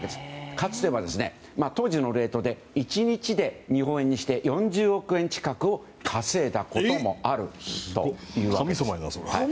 かつては当時のレートで１日で日本円にして４０億円近くを稼いだこともあるというわけです。